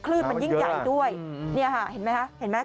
คลื่นมันยิ่งใหญ่ด้วยเนี่ยค่ะเห็นไหมคะเห็นไหม